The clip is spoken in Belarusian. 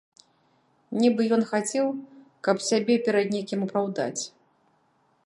Нібы ён хацеў, каб сябе перад некім апраўдаць.